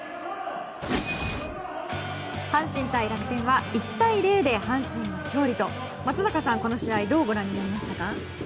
阪神対楽天は１対０で阪神の勝利と松坂さん、この試合はどうご覧になりましたか？